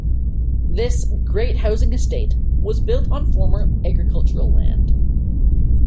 This "Great Housing Estate" was built on former agricultural land.